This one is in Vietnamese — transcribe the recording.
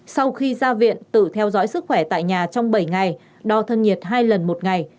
sau khi ra viện tự theo dõi sức khỏe tại nhà trong bảy ngày đo thân nhiệt hai lần một ngày